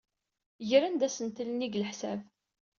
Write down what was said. Gren-d asentel-nni deg leḥsab.